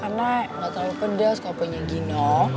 karena gak terlalu pedes kalau punya gino